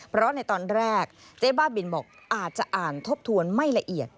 เพราะในตอนแรกเจ๊บ้าบินบอกอาจจะอ่านทบทวนไม่ละเอียด